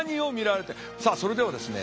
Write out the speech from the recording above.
さあそれではですね